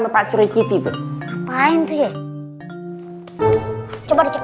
pak sri kitty itu apaan itu ya coba di cek